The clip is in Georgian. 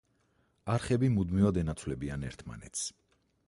არხები მუდმივად ენაცვლებიან ერთმანეთს.